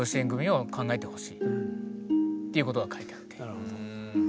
なるほど。